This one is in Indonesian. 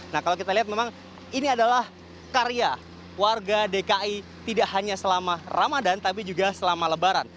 nah kalau kita lihat memang ini adalah karya warga dki tidak hanya selama ramadan tapi juga selama lebaran